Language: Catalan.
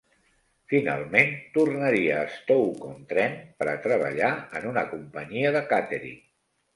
Finalment tornaria a Stoke-on-Trent per treballar en una companyia de càtering.